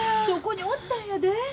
そこにおったんやで。